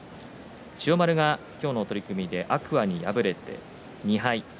千代丸が今日の取組で天空海に敗れて２敗。